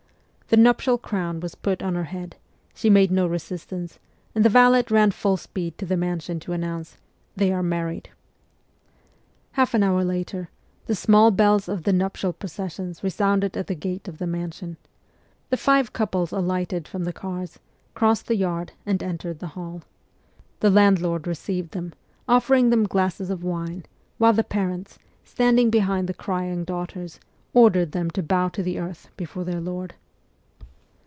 The nuptial crown was put on her head ; she made no resistance, and the valet ran full speed to the mansion to announce, ' They are married.' Half an hour later, the small bells of the nuptial processions resounded at the gate of the mansion. The five couples alighted from the cars, crossed the yard and entered the hall. The landlord received them, offering them glasses of wine, while the parents, standing behind the crying daughters, ordered them to bow to the earth before their lord.